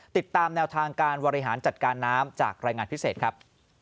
ติดตามแนวทางการบริหารจัดการน้ำจากรายงานพิเศษครับ